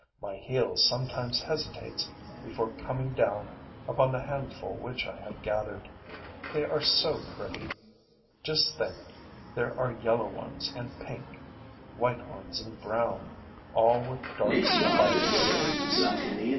My heel sometimes hesitates before coming down upon the handful which I have gathered. They are so pretty! Just think, there are yellow ones and pink, white ones and brown, all with dark spiral streaks.